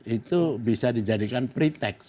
itu bisa dijadikan pretext